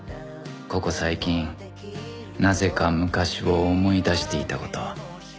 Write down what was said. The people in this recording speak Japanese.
ここ最近なぜか昔を思い出していた事